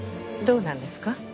どうなんですか？